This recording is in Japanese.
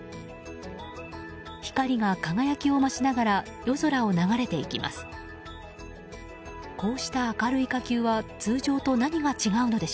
光が輝きを増しながら夜空を流れていきます。